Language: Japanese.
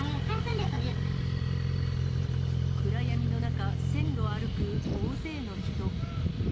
暗闇の中、線路を歩く大勢の人。